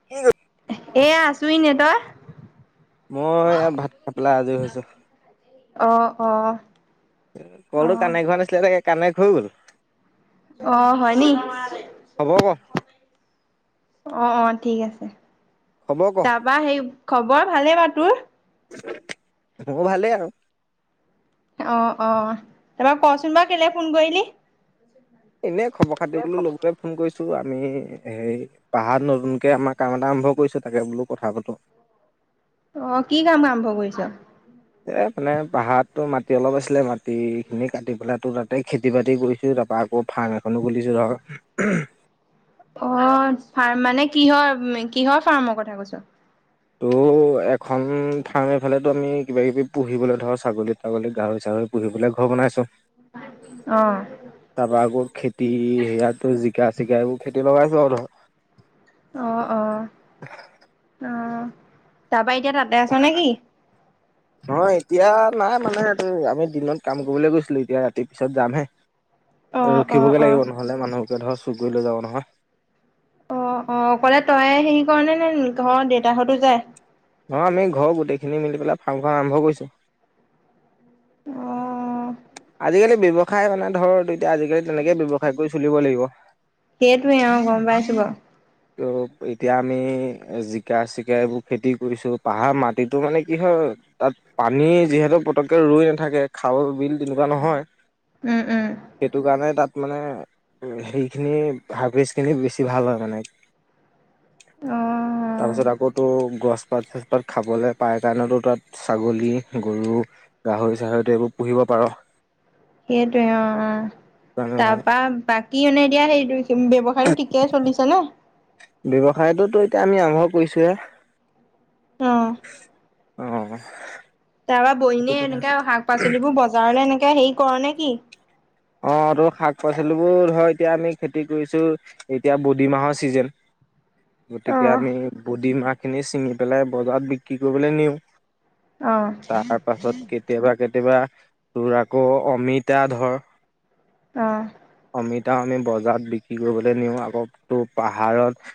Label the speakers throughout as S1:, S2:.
S1: [unintelligible]
S2: এয়া আছো এনে। তই?
S1: মই এয়া ভাত খাই পেলাই আজৰি হৈছোঁ।
S2: অ, অ।
S1: ক'লটো
S2: অ'
S1: কানেক্ট হোৱা নাছিলে, চাগে! কানেক্ট হৈ গ'ল।
S2: অ'! হয় নি?
S1: খবৰ ক?
S2: অ' অ'! ঠিক আছে।
S1: খবৰ ক?
S2: তাৰপা সেই, খবৰ ভালনে বাৰু তোৰ?
S1: [unintelligible] মোৰ ভালেই আৰু।
S2: অ' অ'! তাৰপা, ক'চোন বাৰু কেলে ফোন কৰিলি?
S1: এনেই, খবৰ-খাতি বোলোঁ, ল'বলে। ফোন কৰিছোঁ। আমি এই, পাহাৰত নতুনকে আমাৰ, কাম এটা আৰম্ভ কৰিছোঁ। তাকে বোলোঁ, কথা পাতোঁ।
S2: অ'! কি কাম আৰম্ভ কৰিছ?
S1: এই মানে, পাহাৰতো মাটি অলপ আছিলে। মাটিখিনি কাটি পেলাই, তোৰ তাতে, খেতি-বাতি কৰিছোঁ। তাৰপৰা, আকৌ, ফাৰ্ম এখনো খুলিছোঁ, ধৰ।
S2: অ'! ফাৰ্ম মানে কিহৰ, কিহৰ ফাৰ্মৰ কথা কৈছ?
S1: তোৰ, এখন ফাৰ্ম, এইফালেতো আমি, কিবা-কিবি পুহিবলে ধৰ, ছাগলী-তাগলী, গাহৰি-চাহৰি পুহিবলে ঘৰ বনাইছোঁ।
S2: অ'!
S1: তাৰপৰা, আকৌ খেতি, ইয়াততো জিকা -চিকা এইবোৰ, খেতি লগাইছোঁ আৰু লগত।
S2: অ' অ'! অ'! তাৰাপা এতিয়া, তাতে আছ নে কি? [inaudible]
S1: নহয়, এতিয়া নাই মানে। এইটো, আমি দিনত কাম কৰিবলে গৈছিলোঁ। এতিয়া, ৰাতি পিছত যামহে।
S2: অ' অ'
S1: ৰখিবগে
S2: অ'
S1: লাগিব। নহ'লে, মানুহকে ধৰ, চুৰ কৰি লৈ যাব নহয়।
S2: অ'অ'! অকলে তই সেৰি ক'ৰ নে, ঘৰৰ দেউতাহঁতো যায়?
S1: নহয়, আমি ঘৰ গোটেইখিনি মিলি পেলাই, ফাৰ্মখন আৰম্ভ কৰিছোঁ।
S2: অ'!
S1: আজিকালি ব্যৱসায় মানে ধৰ, এতিয়া আজিকালি, তেনেকে ব্যৱসায় কৰি চলিব লাগিব।
S2: সেইটোৱে, অ'! গম পাইছোঁ বাৰু।
S1: ত' এতিয়া আমি, জিকা-চিকা এইবোৰ খেতি কৰিছোঁ। পাহাৰৰ মাটিটো মানে, কি হয়! তাত, পানী যিহেতু পতককে ৰৈ নাথাকে। খাল-বিল তেনেকুৱা নহয়।
S2: উম, উম।
S1: সেইটোকাৰণে তাত মানে, সেইখিনি, হাবি [unintelligible] খিনি বেছি ভাল হয়, মানে।
S2: অ
S1: তাৰপিছত, আ আকৌ তোৰ, গছপাত-চছপাত খাবলে পায়, কাৰণেতো তাত, ছাগলী, গৰু গাহৰি-চাহৰিটো, এইবোৰ পুহিব পাৰ।
S2: সেইটোৱে, অ' অ'!
S1: সেইটো কাৰণে ভাল
S2: তাৰপা, বাকী মানে, এতিয়া সেই, ব্যৱসায়টো ঠিকেই চলিছে ন'?
S1: ব্যৱসায়টো ত' এতিয়া আমি, আৰম্ভ কৰিছোঁহে।
S2: অ'!
S1: অ
S2: তাৰপা,
S1: সেইটো
S2: বৈনীয়ে
S1: কথা আছে।
S2: এনেকা, শাক-পাচলিবোৰ বজাৰলৈ এনেকে, সেৰি কৰ নে কি?
S1: অ'! ত' শাক-পাচলিবোৰ ধৰ, এতিয়া আমি খেতি কৰিছোঁ। এতিয়া [unintelligible] মাহৰ ছিজন।
S2: অ
S1: গতিকে, আমি [unintelligible] মাহখিনি ছিঙি পেলাই, বজাৰত বিক্ৰী কৰিবলৈ নিওঁ।
S2: অ
S1: তাৰপাছত, কে কেতিয়াবা-কেতিয়াবা তোৰ আকৌ, অমিতা ধৰ।
S2: অ'!
S1: অমিতাও আমি বজাৰত বিক্ৰী কৰিবলৈ নিওঁ। আকৌ, তোৰ পাহাৰত,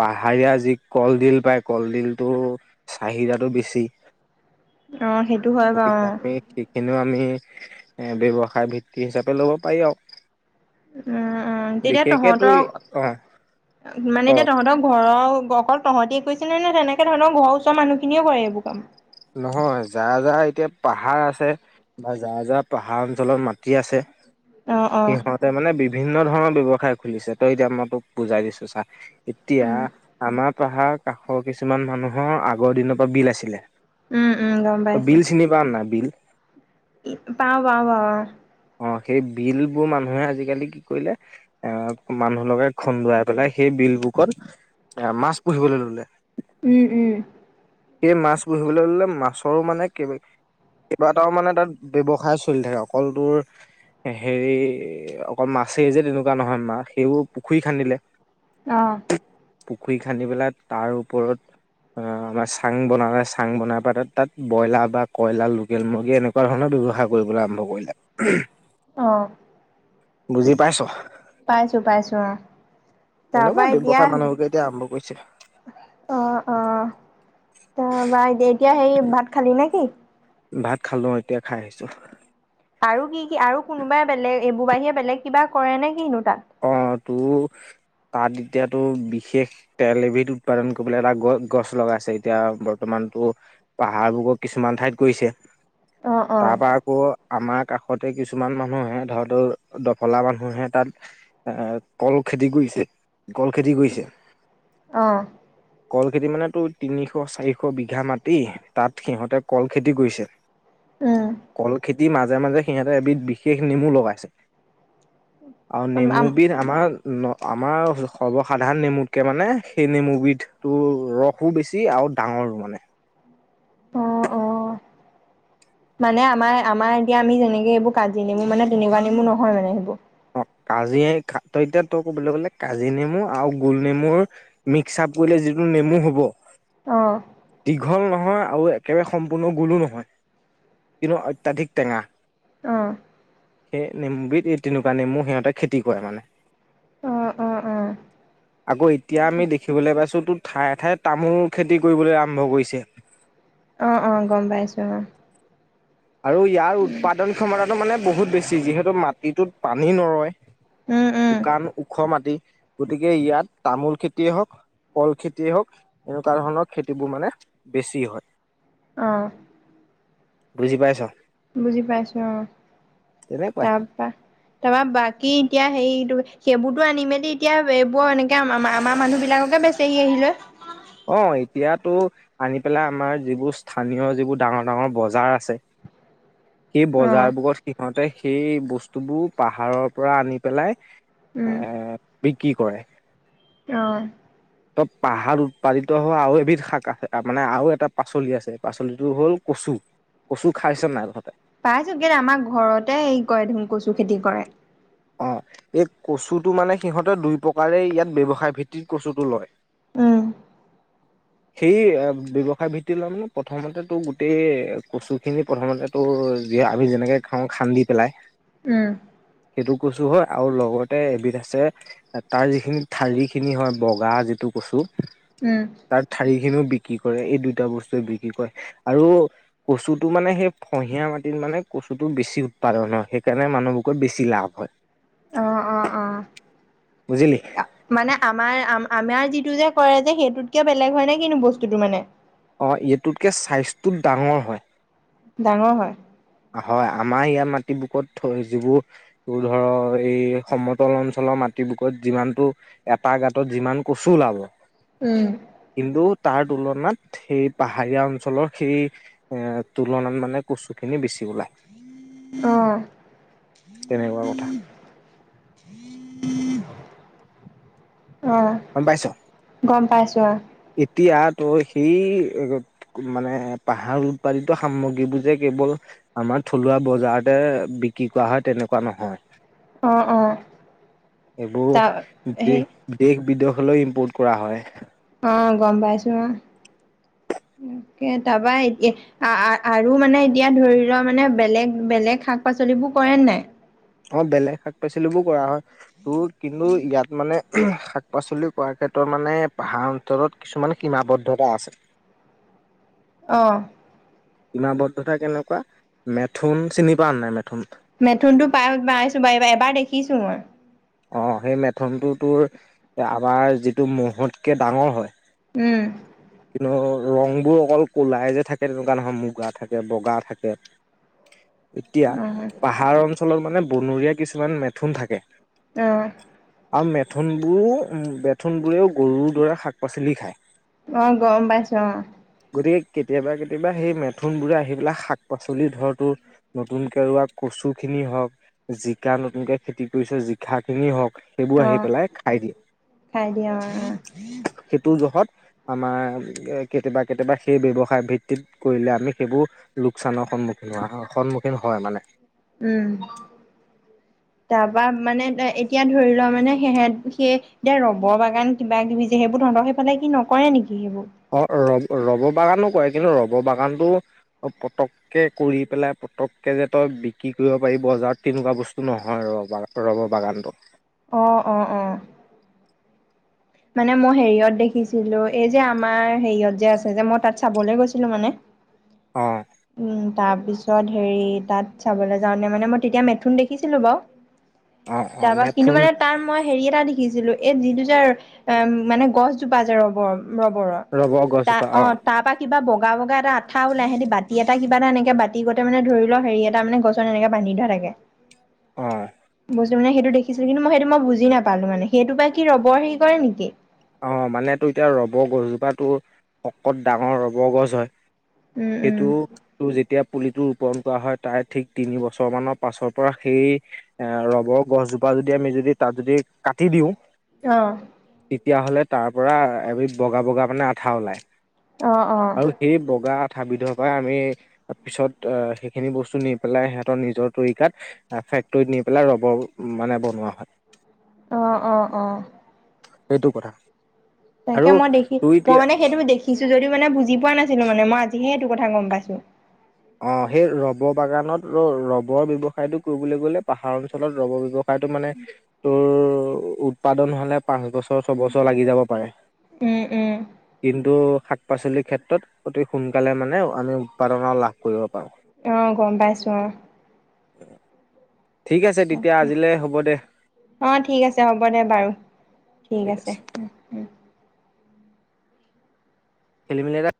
S1: পাহাৰীয়া যি কলডিল পায়, কলডিলটো চাহিদাটো বেছি।
S2: সেইটো হয় বাৰু
S1: গতিকে
S2: অ
S1: আমি সেইখিনিও আমি এ ব্যৱসায় ভিত্তি হিচা ল'ব পাৰি আৰু।
S2: উম, উম তেতিয়া
S1: বিশেষকেতো
S2: তহঁতৰ
S1: অ ক
S2: মানে এতিয়া তহঁতক ঘৰৰ অকল তহতি কৈছে নে নে তেনেকে ধৰণৰ ঘৰৰ ওচৰ মানুহখিনিয়েও কৰে এইবোৰ কাম?
S1: নহয় যাৰ, যাৰ এতিয়া পাহাৰ আছে। বা যাৰ, যাৰ পাহাৰ অঞ্চলত মাটি আছে।
S2: অ অ
S1: সিহঁতে মানে বিভিন্ন ধৰণৰ ব্যৱসায় খুলিছে তই এতিয়া মই তোক বুজাই দিছো চা। এতিয়া
S2: উম
S1: আমাৰ পাহাৰ কাষৰ কিছুমান মানুহৰ আগৰ দিনৰ পৰা বিল আছিলে।
S2: উম, উম গম
S1: বিল চিনি পাম নাই বিল?
S2: ই পাওঁ, পাওঁ, পাওঁ।
S1: অ', সেই বিলবোৰ মানুহে আজিকালি কি কৰিলে এ মানুহ লগাই খুন্দুৱাই পেলাই সেই বিল বুকত এ মাছ পুহিবলৈ ল'লে।
S2: উম, উম।
S1: সেই মাছ পুহিবলৈ ল'লে মাছৰো মানে কেই কেইবাটাও মানে তাত ব্যৱসায় চলি থাকে, অকলটোৰ হেৰি অকল মাছেই যে তেনেকুৱা নহয় মা সেইবোৰ পুখুৰী খান্দিলে।
S2: অ'।
S1: পুখুৰী খান্দি পেলাই তাৰ ওপৰত আ-আমাৰ চাং বনালে চাং বনাই পাই তাত ব্ৰইলাৰ বা কইলাৰ লোকেল মুৰ্গী এনেকুৱা ধৰণৰ ব্যৱসায় কৰিবলৈ আৰম্ভ কৰিলে। উম।
S2: অ'।
S1: বুজি পাইছ?
S2: পাইছোঁ, পাইছোঁ অ'।
S1: তেনেকুৱা
S2: তাৰপা এতিয়া
S1: ব্যৱসায় মানুহকে এতিয়া আৰম্ভ কৰিছে।
S2: অ', অ'তাৰপা এতি এতিয়া সেই ভাত খালি নে কি?
S1: ভাত খালোঁ এতিয়া খাই আহিছোঁ।
S2: আৰু কি, কি আৰু কোনোবাই বেলেগ এইবোৰ বাহিৰে বেলেগ কিবা কৰে নে কিনো তাত?
S1: অ', তোৰ তাত এতিয়াতো বিশেষ তেল এবিধ উৎপাদন কৰিবলৈ এটা গছ-গছ লগাই আছে এতিয়া বৰ্তমানতো পাহাৰবোৰক কিছুমান ঠাইত কৰিছে
S2: অ অ
S1: তাৰ পা আকৌ আমাৰ কাষতে কিছুমান মানুহে ধৰ তোৰ দফলা মানুহে তাত এ কল খেতি কৰিছে, কল খেতি কৰিছে।
S2: অ
S1: কল খেতি মানে তোৰ তিনিশ, চাৰিশ বিঘা মাটি তাত সিহঁতে কল খেতি কৰিছে।
S2: উম
S1: কল খেতিৰ মাজে, মাজে সিহঁতেৰ এবিধ বিশেষ নেমু লগাইছে। আৰু নেমু
S2: আম
S1: বিধ আমাৰ ন আমাৰ সৰ্বসাধাৰণ নেমুতকে মানে সেই নেমুবিধটো ৰস সো বেছি আৰু ডাঙৰো মানে।
S2: অ', অ'। মানে আমাৰ, আমাৰ এতিয়া আমি যেনেকে এইবোৰ কাজি নেমু মানে তেনেকুৱা নেমু নহয় মানে সেইবোৰ?
S1: অ', কাজি তই এতিয়া তোৰ ক'বলৈ গ'লে কাজি নেমু আৰু গোল নেমুৰ মিক্স আপ কৰিলে যিটো নেমু হ'ব।
S2: অ'।
S1: দীঘল নহয় আৰু একেবাৰে সম্পূৰ্ণ গোলো নহয় কিন্তু অত্যাধিক টেঙা।
S2: অ'।
S1: সেই নেমুবিধ এই তেনেকুৱা নেমু সিহঁতে খেতি কৰে মানে।
S2: অৱ অৱ।
S1: আকৌ এতিয়া আমি দেখিবলৈ পাইছো তো ঠায়ে ঠায়ে তামোল খেতি কৰিবলৈ আৰম্ভ কৰিছে।
S2: অৱ অৱ গম পাইছোঁ অৱ।
S1: আৰু ইয়াৰ উৎপাদন ক্ষমতাটো মানে বহুত বেছি যিহেতু মাটিটোত পানী নৰয়।
S2: উম উম
S1: শুকান ওখ মাটি, গতিকে ইয়াত তামোল খেতিয়ে হওক, কল খেতিয়ে হওক, এনেকুৱা ধৰণৰ খেতিবোৰ মানে বেছি হয়।
S2: অৱ।
S1: বুজি পাইছ।
S2: বুজি পাইছো অৱ,
S1: তেনেকুৱাই
S2: তাৰপা! তাৰাপৰা বাকী এতিয়া হেৰি সেইবোৰতো আনি মেলি এতিয়া এইবোৰ এনেকে আমাৰ মানুহ বিলাককে বেছি তেই আহিলৈ।
S1: অৱ, এতিয়াতো আনি পেলাই আমাৰ যিবোৰ স্থানীয় যিবোৰ ডাঙৰ ডাঙৰ বজাৰ আছে।
S2: [unintelligible]
S1: সেই
S2: অ
S1: বজাৰবোৰত সিহঁতে সেই বস্তুবোৰ পাহাৰৰ পৰা আনি পেলাই, এ
S2: উম।
S1: বিক্ৰী কৰে।
S2: উম।
S1: ত পাহাৰ উৎপাদিত হোৱা আৰু এবিধ শাক আছে মানে আৰু এটা পাচলি আছে, পাচলিটো হ'ল কচু। কচু খাইছ নাই তহতে?
S2: পাইছো কেলে আমাৰ ঘৰতে হেই কৰে দেখোন কচু খেতি কৰে।
S1: অৱ, এই কচুটো মানে সিহঁতে দুই প্ৰকাৰেই ইয়াত ব্যৱসায় ভিত্তিত কচুটো লয়।
S2: উম।
S1: সেই ব্যৱসায় ভিত্তি লয় মানে, প্ৰথমতে তো গোটেই কচু খিনি প্ৰথমতে তোৰ আমি যেনেকে খাওঁ খান্দি পেলাই।
S2: উম।
S1: সেইটো কচু হয় আৰু লগতে এবিধ আছে তাৰ যিখিনি ঠাৰি খিনি হয় বগা যিটো কচু।
S2: উম।
S1: তাৰ ঠাৰি খিনিও বিক্ৰী কৰে? এই দুইটা বস্তুৱে বিক্ৰী কৰে। আৰু কচুটো মানে সেই ফহিয়া মাটিত মানে কচুটো বেছি উৎপাদন হয়। সেইকাৰণে মানুহবোৰত বেছি লাভ হয়।
S2: অৱ অৱ অৱ।
S1: বুজিলি!
S2: মানে আমাৰ আমাৰ যিটো যে কৰে যে সেইটোতকে বেলেগ হয় নে কিনো বস্তুটো মানে?
S1: অৱ, এইটোতকে ছাইজটো ডাঙৰ হয়।
S2: ডাঙৰ হয়।
S1: হয়। আমাৰ ইয়াৰ মাটি বুকত থই যিবোৰ তোৰ ধৰ এই সমতল অঞ্চলৰ মাটি বুকত যিমান টো এটা গাঁতত যিমান কচু ওলাব।
S2: উম।
S1: কিন্তু তাৰ তুলনাত সেই পাহাৰীয়া অঞ্চলৰ সেই এ তুলনাত মানে কচুখিনি বেছি ওলায়।
S2: অৱ।
S1: তেনেকুৱা কথা
S2: অৱ।
S1: গম পাইছ?
S2: গম পাইছো আহ।
S1: এতিয়া তই সেই মানে পাহাৰ উৎপাদিত সামগ্ৰীবোৰ যে কেৱল আমাৰ থলুৱা বজাৰতে বিক্ৰী কৰা হয়, তেনেকুৱা নহয়?
S2: অ অ অ
S1: সেইবোৰ
S2: তাৰ
S1: [unintelligible]
S2: সেই
S1: দেশ বিদেশলৈ ইম্পোৰ্ট কৰা হয়।
S2: অ', গম পাইছো অ'। তাকে তাৰপা এতিয়া আ, আ- আৰু মানে এতিয়া ধৰি লোৱা মানে বেলেগ, বেলেগ শাক পাচলিবোৰ কৰে নাই?
S1: অ', বেলেগ শাক পাচলি বোৰ কৰা হয়। তো কিন্তু ইয়াত মানে শাক পাচলি কৰাৰ ক্ষেত্ৰত মানে পাহাৰ অঞ্চলত কিছুমান সীমাবদ্ধতা আছে।
S2: অ'।
S1: সীমাবদ্ধতা কেনেকুৱা? মেথুন চিনি পাঁও নে নাই? মেথুন।
S2: মেথুনটো পাই পাইছো। [unintelligible] এবাৰ দেখিছো মই।
S1: অ' সেই মেথুনটো তোৰ আমাৰ যিটো ম'হত কে ডাঙৰ হয়।
S2: উম
S1: কিন্তু ৰং বোৰ অকল ক'লাই যে থাকে, তেনেকুৱা নহয় মুগা থাকে, বগা থাকে। এতিয়া পাহাৰ অঞ্চলত মানে বনৰীয়া কিছুমান মেথুন থাকে।
S2: অ'।
S1: আৰু মেথুনবোৰ, মেথুনবোৰেও গৰুৰ দৰে শাক পাচলি খায়।
S2: অ' গম পাইছো অ'।
S1: গতিকে কেতিয়াবা কেতিয়াবা সেই মেথোনবোৰে আহি পেলাই শাক পাচলি ধৰটো নতুনকে ৰোৱা কচুখিনি হওক? জিকা নতুনকে খেতি কৰিছো জি কা খিনি হওক সেইবোৰ
S2: অ
S1: আহি পেলাই খাই দিয়ে।
S2: খাই দিয়ে অ অ
S1: সেইটো জহত আমাৰ কেতিয়াবা, কেতিয়াবা সেই ব্যৱসায় ভিত্তিত কৰিলে আমি সেইবোৰ লোকচানৰ সন্মুখীন হোৱা, সন্মুখীন হয় মানে?
S2: উম। তাৰপা মানে এতিয়া ধৰি লোৱা মানে সেহঁত, সেই ৰব বাগান কিবা কিবি যে, সেইবোৰ তঁহতৰ সিফালে কি নকৰে নেকি সেইবোৰ
S1: অ', ৰবৰ- ৰবৰ বাগানো কৰে কিন্তু ৰবৰ বাগানটো পতক কে কৰি পেলাই পটককৈ যে তই বিক্ৰী কৰিব পাৰিব বজাৰত তেনেকুৱা বস্তু নহয় ৰবাৰ। ৰবৰ বাগানটো
S2: অ', অ', অ'। মানে মই হেৰিয়ত দেখিছিলো এই যে আমাৰ হেৰিয়ত যে আছে যে মই তাত চাবলৈ গৈছিলো মানে। [unintelligible]
S1: অ'।
S2: উম তাৰ পিছত হেৰি তাত চাবলৈ যাওঁতে মানে মই তেতিয়া মেথুন দেখিছিলোঁ বাৰু।
S1: অ অ
S2: তাৰপা, কিন্তু
S1: মেথোন
S2: মানে তাৰ মই হেৰি এটা দেখিছিলো এই যিটো যাৰ এ মানে গছজোপা যে ৰবৰ, ৰবৰৰ
S1: ৰব
S2: তাত
S1: গছজোপা
S2: অ' তাৰপৰা কিবা বগা বগা এটা আঠা ওলাই, সেঁহতি বাতি এটা কিবা এটা এনেকে বাতি গোতে মানে ধৰি লয়, হেৰি এটা মানে গছ মানে এনেকে বান্ধি থোৱা থাকে
S1: অ
S2: [unintelligible] মানে সেইটো দেখিছো, কিন্তু মই সেইটো মই বুজি নাপালো মানে সেইটোৰ পৰা কি ৰবৰ হেৰি কৰে নেকি?
S1: অ', মানেটো এতিয়া ৰব গছজোপাটো শকত ডাঙৰ ৰবৰ গছ হয়।
S2: উম উম
S1: সেইটো টো যেতিয়া পুলিটো ৰোপন কৰা হয় তাই ঠিক তিনি বছৰ মানৰ পাছৰ পৰা সেই এ ৰবৰ গছজোপা যদি আমি যদি তাত যদি কাটি দিওঁ
S2: অ'।
S1: তেতিয়াহ'লে তাৰ পৰা এবিধ বগা বগা মানে আঠা ওলায়।
S2: অ অ
S1: আৰু এই বগা আঠাবিধৰ পৰাই আমি পিছত সেইখিনি বস্তু নি পেলাই সিহঁতৰ নিজৰ তৰিকাত এ ফেক্টৰত নি পেলাই ৰবৰ মানে বনোৱা হয়।
S2: অ', অ', অ'।
S1: সেইটো কথা। আৰু
S2: তনেকে মই দেখি
S1: তোৰ এতিয়া
S2: মই মানে সেইটো দেখ কিছো যদি মানে বুজি পোৱা নাছিলো মানে মই আজিহে এইটো কথা গম পাইছো।
S1: অ', সেই ৰব বাগানত ৰ ৰবৰ ব্যৱসায়টো কৰিবলৈ গ'লে পাহাৰ অঞ্চলত ৰবৰ ব্যৱসায়টো মানে তোৰ উৎপাদন হলে পাঁচ বছৰ ছয়বছৰ লাগি যাব পাৰে।
S2: উম উম।
S1: কিন্তু শাক পাচলিৰ ক্ষেত্ৰত অতি সোনকালে মানে আমি উৎপাদনৰ লাভ কৰিব
S2: অ গম পাইছো অ।
S1: পাৰোঁ। ঠিক আছে তেতিয়া আজিলে হ'ব দে
S2: অ ঠিক আছে হ'ব দে বাৰু
S1: ঠিক আছে। খেলি মিলি এটা